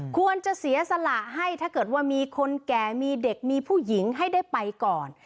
ควรจะเสียสละให้ถ้าเกิดว่ามีคนแก่มีเด็กมีผู้หญิงให้ได้ไปก่อน